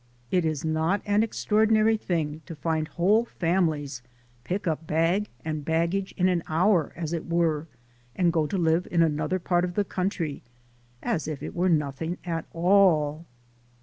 It is not an extraordinary thing to find whole families pick up bag and baggage, in an hour, as it were, and go to live in another part of the country, as if it were nothing at all.